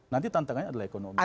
nanti tantangannya adalah ekonomi